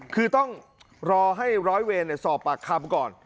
คือต้องรอให้ร้อยเวรสอบปากคำก่อน